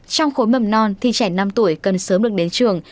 trong khối mầm non thì trẻ năm tuổi cần sớm được đến trường